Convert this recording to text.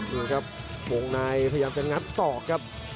นี่ครับวงในพยายามจะงัดศอกครับ